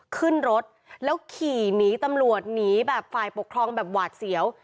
ขึ้นรถแล้วขี่หนีตำรวจหนีแบบฝ่ายปกครองแบบหวาดเสียว